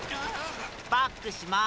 バックします。